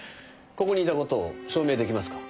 ここにいた事を証明出来ますか？